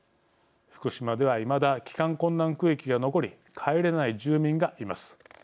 福島では、いまだ帰還困難区域が残り帰れない住民がいます。